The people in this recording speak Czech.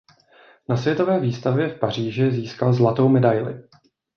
Na Světové výstavě v Paříži získal zlatou medaili.